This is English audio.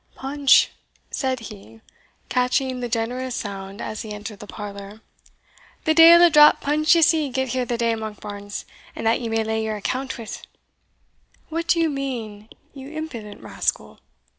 "Punch!" said he, catching that generous sound as he entered the parlour, "the deil a drap punch ye'se get here the day, Monkbarns, and that ye may lay your account wi'." "What do you mean, you impudent rascal?"